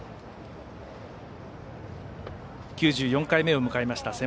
９４回目を迎えました